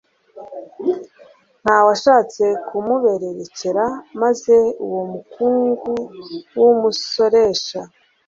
Nta washatse kumubererekera, maze uwo mukungu w'umusoresha